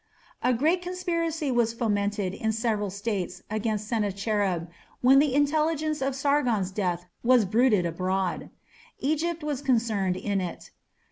A great conspiracy was fomented in several states against Sennacherib when the intelligence of Sargon's death was bruited abroad. Egypt was concerned in it.